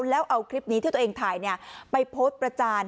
แล้วเอาคลิปนี้ที่ตัวเองถ่ายไปโพสต์ประจาน